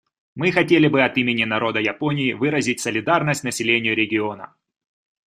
Мы хотели бы от имени народа Японии выразить солидарность населению региона.